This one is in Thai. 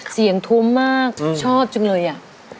เสียงทุ่มมากชอบจริงเลยอ่ะ